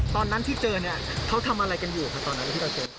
ตอนนั้นที่เจอเนี่ยเขาทำอะไรกันอยู่ค่ะตอนนั้นที่เราเจอ